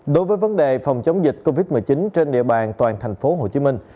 đối với vấn đề phòng chống dịch covid một mươi chín trên địa bàn toàn thành phố hồ chí minh